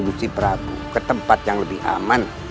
nyuci prabu ke tempat yang lebih aman